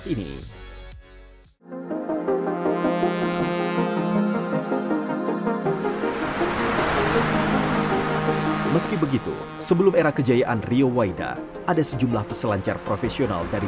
tapi saya akan menyerah diri sendiri